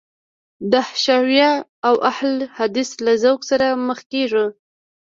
د حشویه او اهل حدیث له ذوق سره مخ کېږو.